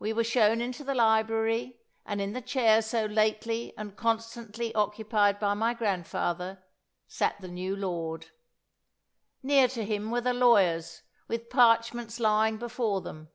We were shown into the library, and in the chair so lately and constantly occupied by my grandfather, sat the new lord. Near to him were the lawyers, with parchments lying before them.